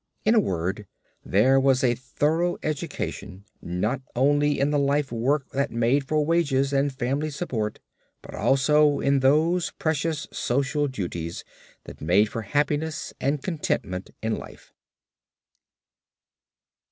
In a word, there was a thorough education not only in the life work that made for wages and family support, but also in those precious social duties that make for happiness and contentment in life.